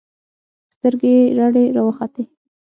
سترګې يې رډې راوختې.